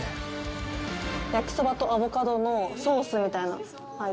焼きそばとアボカドのソースみたいな。